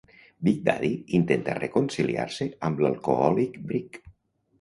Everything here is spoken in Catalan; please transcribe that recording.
Big Daddy intenta reconciliar-se amb l'alcohòlic Brick.